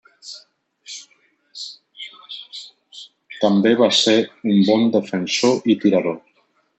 També va ser un bon defensor i tirador.